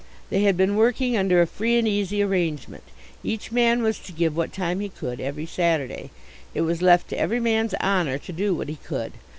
They had been working under a free and easy arrangement. Each man was to give what time he could every Saturday. It was left to every man's honour to do what he could.